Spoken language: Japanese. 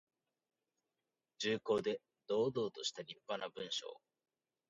重厚で堂々としたりっぱな文章。